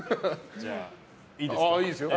じゃあ、いいですか。